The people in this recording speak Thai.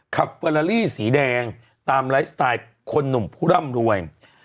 ขับเฟอลาลี่สีแดงตามไลฟ์สไตล์คนหนุ่มผู้ร่ำรวย